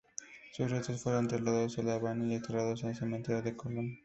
Sus restos fueron trasladados a La Habana y enterrados en el Cementerio de Colón.